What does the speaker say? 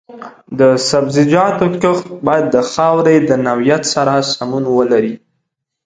د سبزیجاتو کښت باید د خاورې د نوعیت سره سمون ولري.